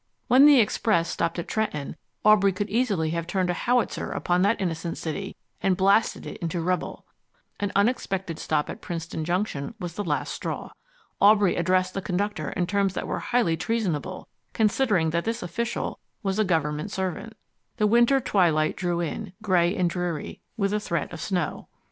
When the express stopped at Trenton, Aubrey could easily have turned a howitzer upon that innocent city and blasted it into rubble. An unexpected stop at Princeton Junction was the last straw. Aubrey addressed the conductor in terms that were highly treasonable, considering that this official was a government servant. The winter twilight drew in, gray and dreary, with a threat of snow.